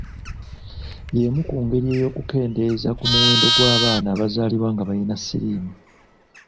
Y’emu ku ngeri y’okukendeeza ku muwendo gw’abaana abazaalibwa nga balina siriimu.